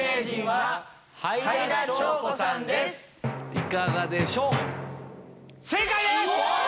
いかがでしょう？